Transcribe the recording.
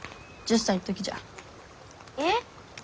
えっ？